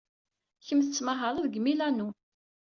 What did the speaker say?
Kemm tettmahaled deg Milano.